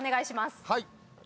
はい。